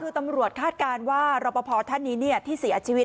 คือตำรวจคาดการณ์ว่ารอปภท่านนี้ที่เสียชีวิต